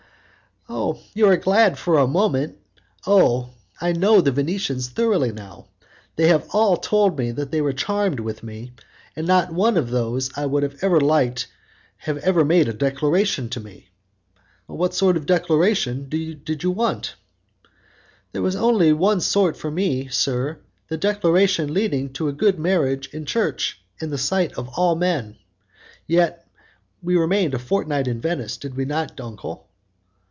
"You are glad for a moment. Oh! I know the Venetians thoroughly now. They have all told me that they were charmed with me, and not one of those I would have liked ever made a declaration to me." "What sort of declaration did you want?" "There's only one sort for me, sir; the declaration leading to a good marriage in church, in the sight of all men. Yet we remained a fortnight in Venice; did we not, uncle?"